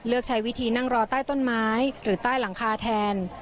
ใช้วิธีนั่งรอใต้ต้นไม้หรือใต้หลังคาแทน